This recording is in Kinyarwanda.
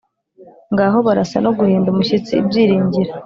ngaho barasa no guhinda umushyitsi ibyiringiro